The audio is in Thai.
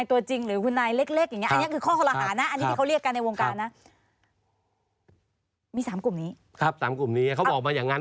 ที่อย่างนั้นค่ะคล้ายนี่เขาพูดกันอย่างนั้น